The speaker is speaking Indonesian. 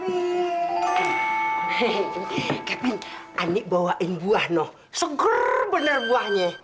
halo kevin hehehe kevin ani bawain buah no seger bener buahnya